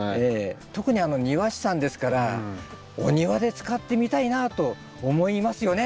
特に庭師さんですからお庭で使ってみたいなと思いますよね？